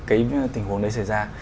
cái tình huống đấy xảy ra